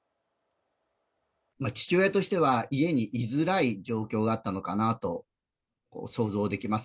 父親としては家に居づらい状況があったのかなと想像できます。